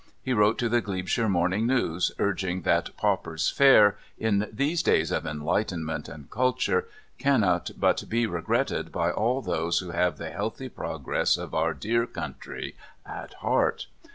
He wrote to the Glebeshire Morning News, urging that Pauper's Fair, in these days of enlightenment and culture, cannot but be regretted by all those who have the healthy progress of our dear country at heart.